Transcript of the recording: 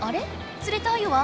つれたアユは？